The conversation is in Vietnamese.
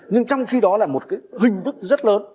nhưng trong khi đó là một cái hình thức rất lớn